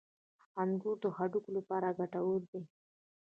• انګور د هډوکو لپاره ګټور دي.